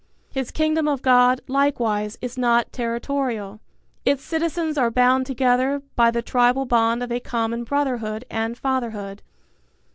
His Kingdom of God, likewise, is not territorial. Its citizens are bound together by the tribal bond of a common brotherhood and fatherhood.